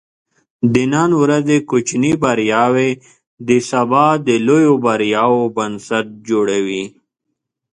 د نن ورځې کوچني بریاوې د سبا د لویو بریاوو بنسټ جوړوي.